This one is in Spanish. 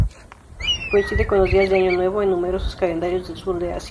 Coincide con los días de Año Nuevo en numerosos calendarios del sur de Asia.